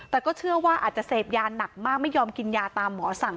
แต่ก็เชื่อว่าอาจจะเสพยาหนักมากไม่ยอมกินยาตามหมอสั่ง